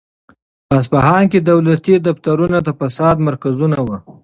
په اصفهان کې دولتي دفترونه د فساد مرکزونه وو.